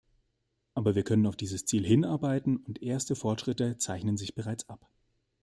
Aber wir können auf dieses Ziel hinarbeiten, und erste Fortschritte zeichnen sich bereits ab.